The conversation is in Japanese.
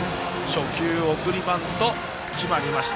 初球送りバント決まりました。